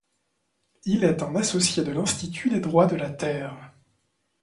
Il est un associé de l'Institut des droits de la Terre.